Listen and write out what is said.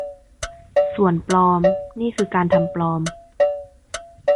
ส่วน ปลอม นี่คือการทำปลอม